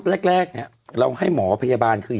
เรียกแรกเรามให้หมอพยาบาญคือ